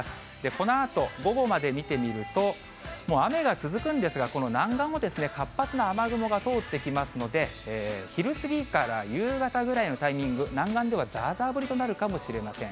このあと午後まで見てみると、もう雨が続くんですが、この南岸も活発な雨雲が通ってきますので、昼過ぎから夕方ぐらいのタイミング、南岸では、ざーざー降りとなるかもしれません。